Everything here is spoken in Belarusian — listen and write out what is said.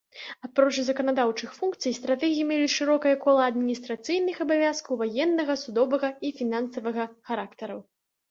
Апроч заканадаўчых функцый, стратэгі мелі шырокае кола адміністрацыйных абавязкаў ваеннага, судовага і фінансавага характару.